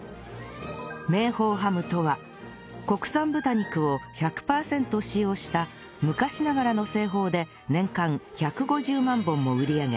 明宝ハムとは国産豚肉を１００パーセント使用した昔ながらの製法で年間１５０万本を売り上げ